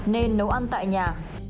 nên nấu ăn tại nhà